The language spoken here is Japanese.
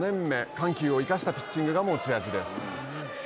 緩急を生かしたピッチングが持ち味です。